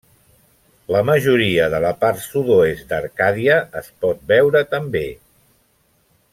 La majoria de la part sud-oest d'Arcàdia es pot veure també.